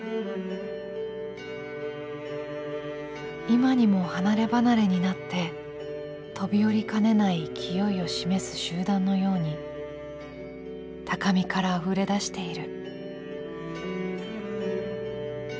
「いまにも離れ離れになって飛び降りかねない勢いを示す集団のように高みからあふれ出している」。